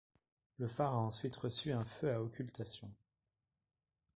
Le phare a ensuite reçu un feu à occultations.